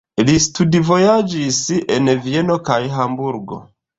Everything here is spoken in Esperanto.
Li studvojaĝis en Vieno kaj Hamburgo.